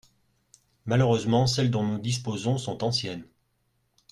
Malheureusement celles dont nous disposons sont anciennes.